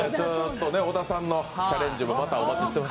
小田さんのチャレンジもまたお待ちしています。